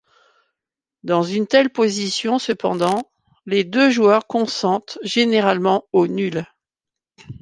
Dans une telle position cependant, les deux joueurs consentent généralement au nul.